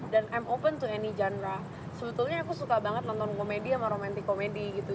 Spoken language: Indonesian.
dan i'm open to any genre sebetulnya aku suka banget nonton komedi sama romantic comedy gitu